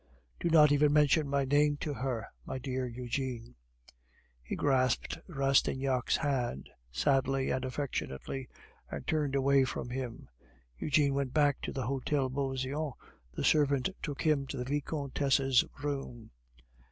"Do not even mention my name to her, my dear Eugene." He grasped Rastignac's hand sadly and affectionately, and turned away from him. Eugene went back to the Hotel Beauseant, the servant took him to the Vicomtesse's room.